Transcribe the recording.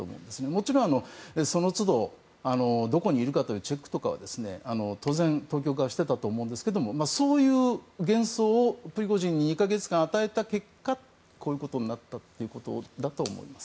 もちろん、そのつどどこにいるかというチェックは当然、当局はしていたと思うんですけどそういう幻想をプリゴジンに２か月間与えた結果こういうことになったということだと思います。